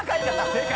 正解。